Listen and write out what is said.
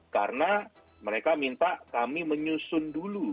karena mereka minta kami menyusun dulu